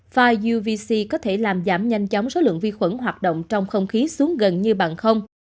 file uvc có thể làm giảm nhanh chóng số lượng vi khuẩn hoạt động trong không khí xuống gần như bằng không